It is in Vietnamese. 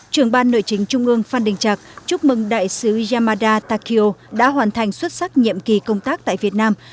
trưởng ban nội chính trung ương phan đình trạc chúc mừng đại sứ yamada takio đã hoàn thành xuất sắc nhiệm kỳ công tác tại việt nam